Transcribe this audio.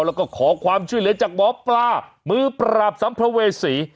แล้วก็ขอความช่วยเหลือจากหมอปลามือปราบสัมภเวษี